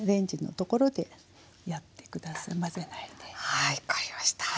はい分かりました。